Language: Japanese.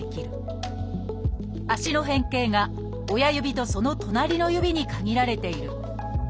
足の変形が親指とそのとなりの指に限られている。